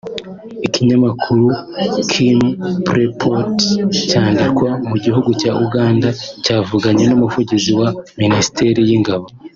Ikinyamakuru Chimpreports cyandikirwa mu gihugu cya Uganda cyavuganye n’umuvugizi wa minisiteri y’ingabo